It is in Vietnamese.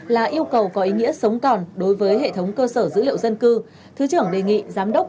là yêu cầu có ý nghĩa sống còn đối với hệ thống cơ sở dữ liệu dân cư thứ trưởng đề nghị giám đốc